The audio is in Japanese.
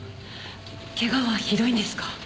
けがはひどいんですか？